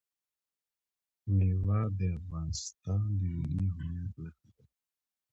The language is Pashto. مېوې د افغانستان د ملي هویت نښه ده.